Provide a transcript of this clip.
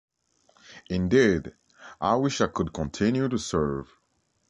Indeed, I wish I could continue to serve.